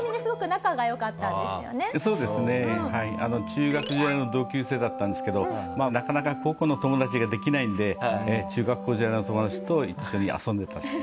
中学時代の同級生だったんですけどなかなか高校の友達ができないんで中学校時代の友達と一緒に遊んでたんです。